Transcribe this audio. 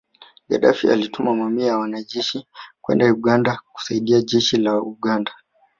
Gadaffi alituma mamia ya wanajeshi kwenda Uganda kusaidia Jeshi la Uganda